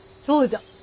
そうじゃ！